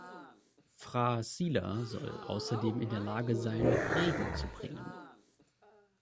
Phra Sila soll außerdem in der Lage sein, Regen zu bringen.